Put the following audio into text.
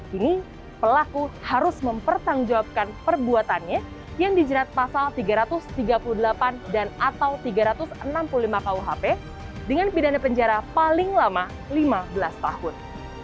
kini pelaku harus mempertanggungjawabkan perbuatannya yang dijerat pasal tiga ratus tiga puluh delapan dan atau tiga ratus enam puluh lima kuhp dengan pidana penjara paling lama lima belas tahun